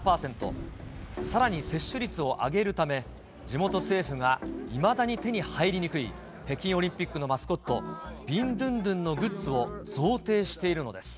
さらに接種率を上げるため、地元政府がいまだに手に入りにくい北京オリンピックのマスコット、ビンドゥンドゥンのグッズを贈呈しているのです。